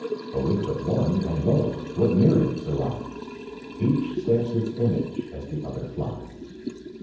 Awake but one, and lo, what myriads rise! Each stamps its image as the other flies."